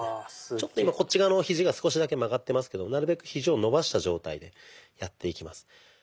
ちょっと今こっち側のひじが少しだけ曲がってますけどなるべくひじを伸ばした状態でやっていきます。